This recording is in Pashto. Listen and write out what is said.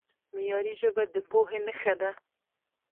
معیاري ژبه د پوهې نښه ده.